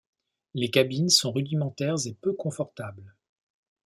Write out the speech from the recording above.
Les cabines sont rudimentaires et peu confortables.